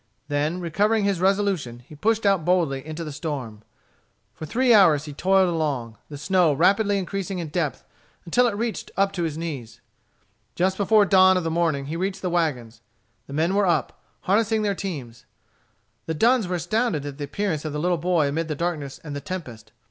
Then recovering his resolution, he pushed out boldly into the storm. For three hours he toiled along, the snow rapidly increasing in depth until it reached up to his knees. Just before the dawn of the morning he reached the wagons. The men were up, harnessing their teams. The Dunns were astounded at the appearance of the little boy amid the darkness and the tempest.